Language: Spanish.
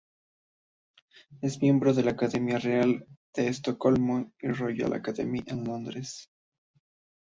Es miembro de la Academia Real de Estocolmo y del Royal Academy, en Londres.